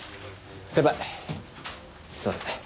先輩すみません。